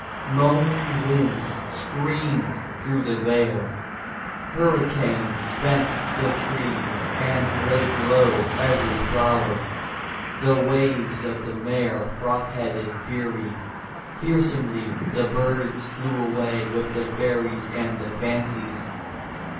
Moaning winds screamed through the vale. Hurricanes bent the trees and laid low every flower. The waves of the mere frothed in fury. Fearsomely the birds flew away with the fairies and the fancies.